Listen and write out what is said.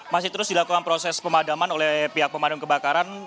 masih terus dilakukan proses pemadaman oleh pihak pemadam kebakaran